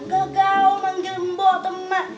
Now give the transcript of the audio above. gak ada yang panggil mbak atau emak